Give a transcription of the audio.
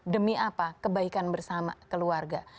demi apa kebaikan bersama keluarga